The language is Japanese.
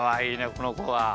このこは。